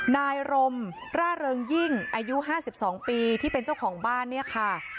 นายรมร่าเริงยิ่งอายุ๕๒ปีที่เป็นเจ้าของบ้านเนี่ยค่ะ